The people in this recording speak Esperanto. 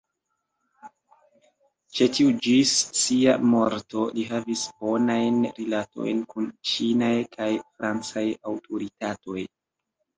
Ĉe tio ĝis sia morto li havis bonajn rilatojn kun ĉinaj kaj francaj aŭtoritatoj.